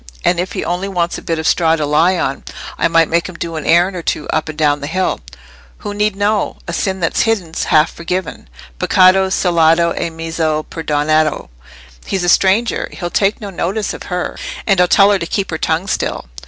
And if he only wants a bit of straw to lie on, I might make him do an errand or two up and down the hill. Who need know? And sin that's hidden's half forgiven. ('Peccato celato e mezzo perdonato.') He's a stranger: he'll take no notice of her. And I'll tell her to keep her tongue still."